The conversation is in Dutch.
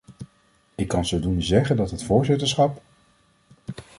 Ik kan zodoende zeggen dat het voorzitterschap...